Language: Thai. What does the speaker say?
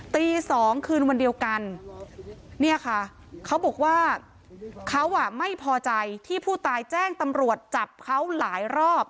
ตี๒คืนวันเดียวกันเนี่ยค่ะเขาบอกว่าเขาอ่ะไม่พอใจที่ผู้ตายแจ้งตำรวจจับเขาหลายรอบ